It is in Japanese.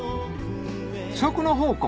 食の宝庫